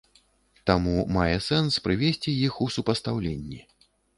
Таму мае сэнс прывесці іх у супастаўленні.